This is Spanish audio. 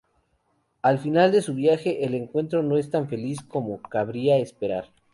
Al final de su viaje, el encuentro no es tan feliz como cabría esperar.